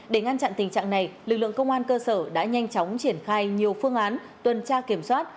để ngăn chặn tình trạng này lực lượng công an cơ sở đã nhanh chóng triển khai nhiều phương án tuần tra kiểm soát